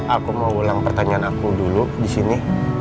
aku mau ulang pertanyaan aku dulu disini